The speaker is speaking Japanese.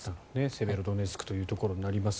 セベロドネツクというところになります。